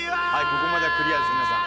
「ここまではクリアです皆さん」